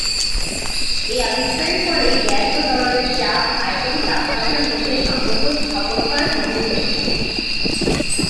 এই আবিষ্কারের ফলেই গ্যাস ও তরলের চাপ, আয়তন ও তাপমাত্রার মধ্যে সম্পর্ক স্থাপন করা সম্ভব হয়েছিলো।